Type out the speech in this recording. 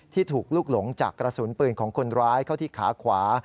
ถูกลุกหลงจากกระสุนปืนของคนร้ายเข้าที่ขาขวา